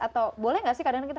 atau boleh gak sih kadang kita